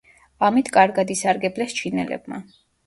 ამით კარგად ისარგებლეს ჩინელებმა.